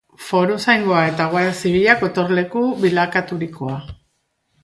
Foruzaingoa eta Guardia Zibilak gotorleku bilakaturikoa.